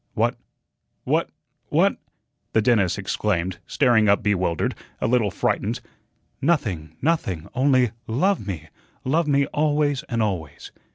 "What what what " the dentist exclaimed, starting up bewildered, a little frightened. "Nothing, nothing, only LOVE me, love me always and always."